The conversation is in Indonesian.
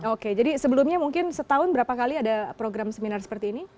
oke jadi sebelumnya mungkin setahun berapa kali ada program seminar seperti ini